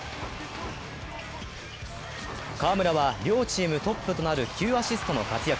河村は両チームトップとなる９アシストの活躍。